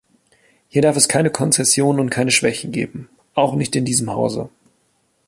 Hier darf es keine Konzessionen und keine Schwäche geben, auch nicht in diesem Hause.